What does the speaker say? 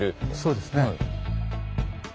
そうですね。